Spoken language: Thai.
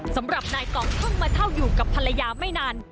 สำหรับนายต่องเพิ่งมาเช่าอยู่กับภรรยาไม่นาน